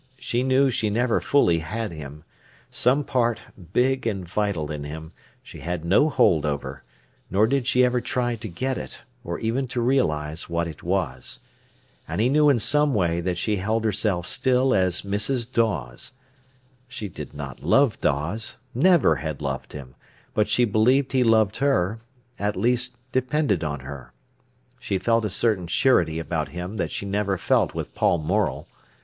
She knew she never fully had him. Some part, big and vital in him, she had no hold over; nor did she ever try to get it, or even to realise what it was. And he knew in some way that she held herself still as Mrs. Dawes. She did not love Dawes, never had loved him; but she believed he loved her, at least depended on her. She felt a certain surety about him that she never felt with Paul Morel.